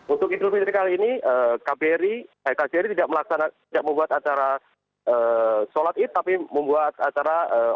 untuk idul fitri kali ini kbri tidak membuat acara sholat idul fitri